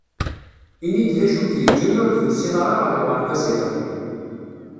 Ini-d d acu k-yeǧǧan ur d-tusiḍ ara ɣer uɣerbaz iḍelli.